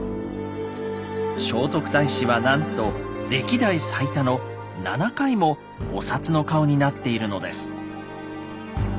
聖徳太子はなんと歴代最多の７回もお札の顔になっているのです。